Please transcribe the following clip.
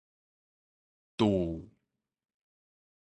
注